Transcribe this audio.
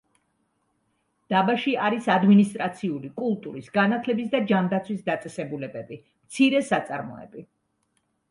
დაბაში არის ადმინისტრაციული, კულტურის, განათლების და ჯანდაცვის დაწესებულებები, მცირე საწარმოები.